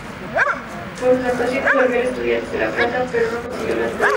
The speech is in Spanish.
Por sus actuaciones volvió al Estudiantes de La Plata, pero no consiguió la titularidad.